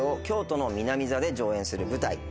京都の南座で上演する舞台